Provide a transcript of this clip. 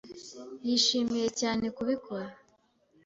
Yishimiye cyane kubikora.